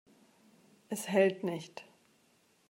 Es hält nicht.